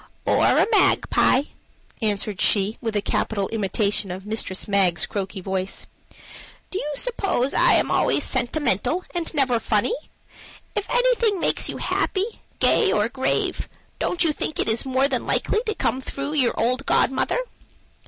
"Or a magpie," answered she, with a capital imitation of Mistress Mag's croaky voice. "Do you suppose I am always sentimental, and never funny? If anything makes you happy, gay, or grave, don't you think it is more than likely to come through your old godmother?"